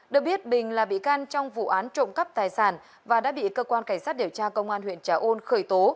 được biết bình là bị can trong vụ án trộm cắp tài sản và đã bị cơ quan cảnh sát điều tra công an huyện trà ôn khởi tố